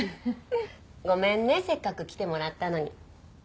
ごめんねせっかく来てもらったのに。